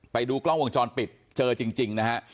ไปดูกล้องวงจรปิดเจอจริงนะฮะ